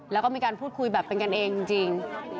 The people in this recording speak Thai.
แล้วก็มีการพูดคุยแบบเป็นกันเองจริง